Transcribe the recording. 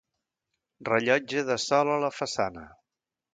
Rellotge de sol a la façana.